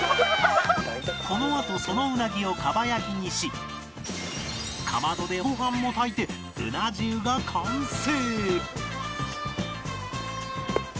このあとそのウナギを蒲焼きにしかまどでご飯も炊いてうな重が完成！